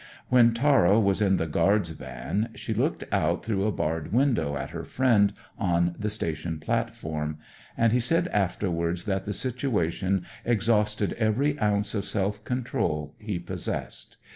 When Tara was in the guard's van she looked out through a barred window at her friend on the station platform, and he said afterwards that the situation exhausted every ounce of self control he possessed.